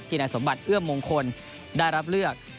นายสมบัติเอื้อมมงคลได้รับเลือก